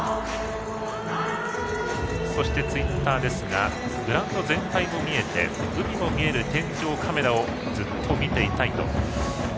そして、ツイッターですがグラウンド全体も見えて海も見える天井カメラをずっと見ていたいと。